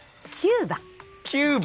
９番。